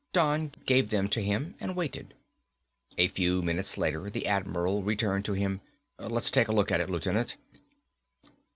Don gave them to him and waited. A few minutes later the Admiral returned to him. "Let's take a look at it, Lieutenant."